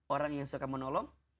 orang yang suka menolong